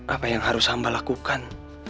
apa yang harus hamba lakukan